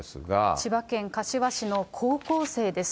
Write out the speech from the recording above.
千葉県柏市の高校生です。